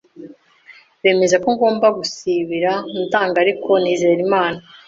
bemeza ko ngomba gusibira ndanga ariko nizera Imana